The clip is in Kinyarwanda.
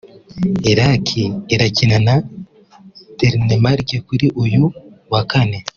Iraq irakina na Denmark kuri uyu wa Kane